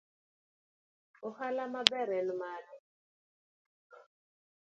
Ohala maber en mane.